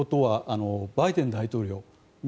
バイデン大統領